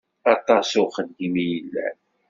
Aṭas uxeddim i yellan.